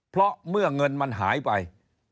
เพราะเมื่อเงินมันหายไป